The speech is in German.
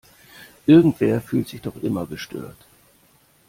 Irgendwer fühlt sich doch immer gestört.